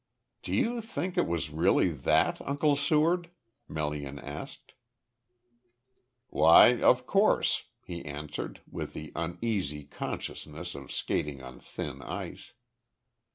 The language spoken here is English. "Do you think it was really that, Uncle Seward?" Melian asked. "Why of course," he answered with the uneasy consciousness of skating on thin ice.